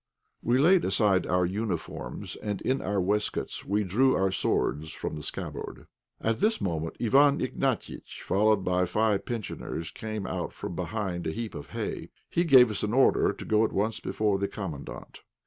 We laid aside our uniforms, and in our waistcoats we drew our swords from the scabbard. At this moment Iwán Ignatiitch, followed by five pensioners, came out from behind a heap of hay. He gave us an order to go at once before the Commandant.